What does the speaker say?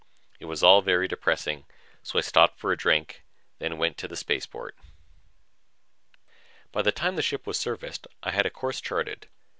It was all very depressing, so I stopped for a drink, then went on to the spaceport. By the time the ship was serviced, I had a course charted.